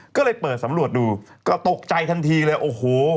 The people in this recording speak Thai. ก็เลยเปิดสำรวจดูก็ตกใจทันทีเลยโอ้โห